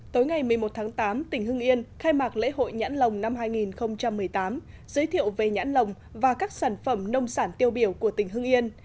tối ngày một mươi một tháng tám tỉnh hưng yên khai mạc lễ hội nhãn lồng năm hai nghìn một mươi tám giới thiệu về nhãn lồng và các sản phẩm nông sản tiêu biểu của tỉnh hưng yên